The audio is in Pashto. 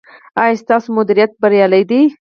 ایا ستاسو مدیریت بریالی دی؟